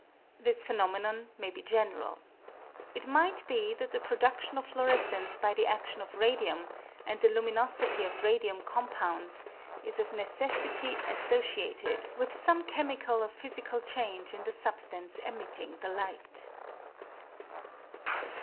This phenomenon may be general. It might be that the production of fluorescence by the adion of radium and the luminosity of radium com pounds is of necessity associated with some chemical or physical change in the substance emitting the light.